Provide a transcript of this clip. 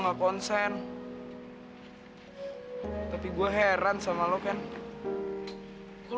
gak usah lah